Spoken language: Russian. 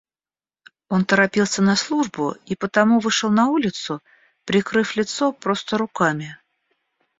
Он торопился на службу и потому вышел на улицу, прикрыв лицо просто руками.